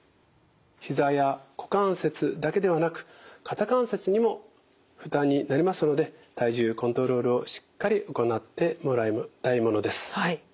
ひざや股関節だけではなく肩関節にも負担になりますので体重コントロールをしっかり行ってもらいたいものです。